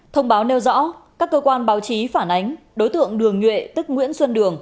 thông báo nêu rõ các cơ quan báo chí phản ánh đối tượng đường nhuệ tức nguyễn xuân đường